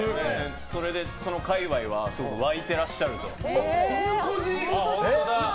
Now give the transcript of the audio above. そこで、その界隈はすごく沸いてらっしゃるって。